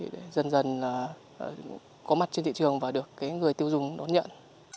để dần dần là có mặt trên thị trường và được người tiêu dùng đón nhận